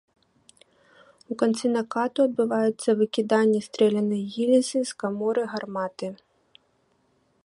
У канцы накату адбываецца выкіданне стрэлянай гільзы з каморы гарматы.